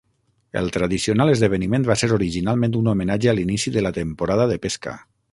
El tradicional esdeveniment va ser originalment un homenatge a l'inici de la temporada de pesca.